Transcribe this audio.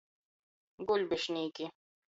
Guļbišnīki.